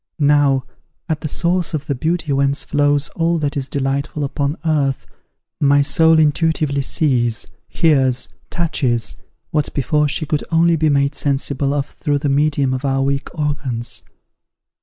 Now, at the source of the beauty whence flows all that is delightful upon earth, my soul intuitively sees, hears, touches, what before she could only be made sensible of through the medium of our weak organs.